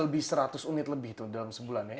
lebih dari itu ya lebih dari itu